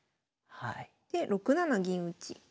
で６七銀打。